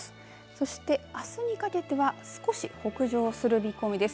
そして、あすにかけては少し北上する見込みです。